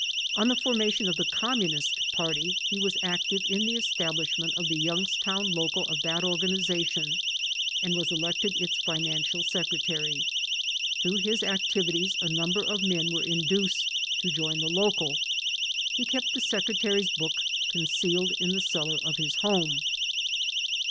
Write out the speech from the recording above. On the formation of the Communist Party, he was active in the establishment of the Youngstown local of that organization and was elected its Financial Secretary. Through his activities a number of men were induced to join the local. He kept the Secretary's book concealed in the cellar of his home.